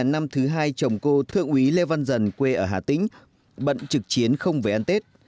năm thứ hai chồng cô thượng úy lê văn dần quê ở hà tĩnh bận trực chiến không về ăn tết